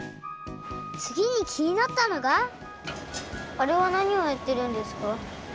つぎにきになったのがあれはなにをやってるんですか？